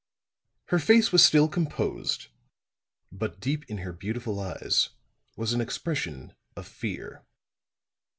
Her face was still composed; but deep in her beautiful eyes was an expression of fear.